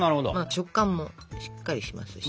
食感もしっかりしますし。